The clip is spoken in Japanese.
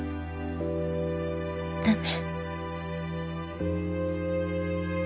駄目。